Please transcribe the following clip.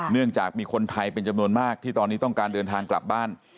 เนื่องจากมีคนไทยเป็นจำนวนมากที่ตอนนี้ต้องการเดินทางกลับบ้าน